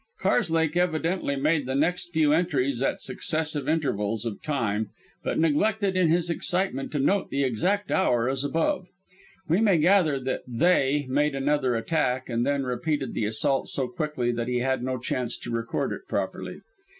[_Karslake evidently made the next few entries at successive intervals of time, but neglected in his excitement to note the exact hour as above. We may gather that "They" made another attack and then repeated the assault so quickly that he had no chance to record it properly.